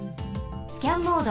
スキャンモード。